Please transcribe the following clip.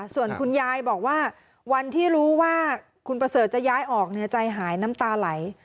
ส่วนคุณยายบอกว่าวันที่รู้ว่าคุณประเสริฐจะย้ายออกใจหายน้ำตาไหล